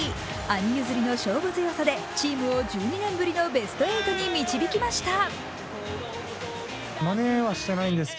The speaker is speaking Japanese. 兄譲りの勝負強さでチームを１２年ぶりのベスト８に導きました。